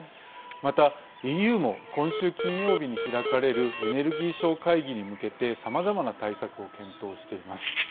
また、ＥＵも今週金曜日に開かれるエネルギー相会議に向けてさまざまな対策を検討しています。